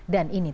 dan ini terakhir